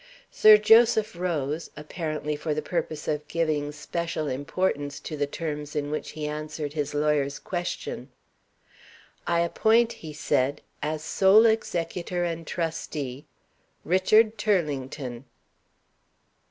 Sir Joseph rose, apparently for the purpose of giving special importance to the terms in which he answered his lawyer's question. "I appoint," he said, "as sole executor and trustee Richard Turlington."